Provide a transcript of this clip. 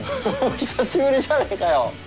久しぶりじゃないかよ。